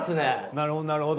なるほどなるほど。